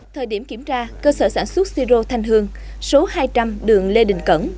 thời điểm kiểm tra cơ sở sản xuất siro thanh hương số hai trăm linh đường lê đình cẩn